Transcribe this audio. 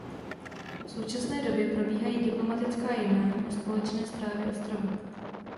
V současné době probíhají diplomatická jednání o společné správě ostrova.